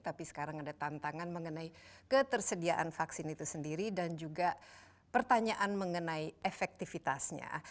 tapi sekarang ada tantangan mengenai ketersediaan vaksin itu sendiri dan juga pertanyaan mengenai efektivitasnya